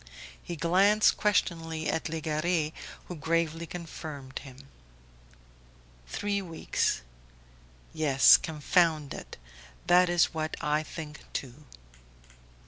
He glanced questioningly at Legare who gravely confirmed him. "Three weeks ... Yes, confound it! That is what I think too."